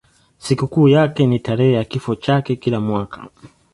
Sikukuu yake ni tarehe ya kifo chake kila mwaka.